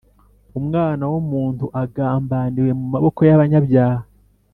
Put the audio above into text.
Umwana w’umuntu agambaniwe mu maboko y’abanyabyaha.